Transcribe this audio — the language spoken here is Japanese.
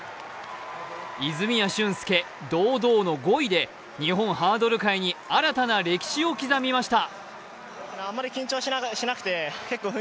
泉谷駿介、堂々の５位で、日本ハードル界に新たな歴史を刻みました。